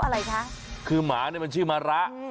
อะไรคะคือหมาเนี่ยมันชื่อมะระ